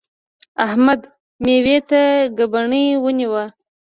احمد؛ مېوې ته ګبڼۍ ونیو.